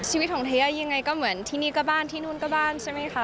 ชีวิตของเทยะยังไงก็เหมือนที่นี่ก็บ้านที่นู่นก็บ้านใช่ไหมคะ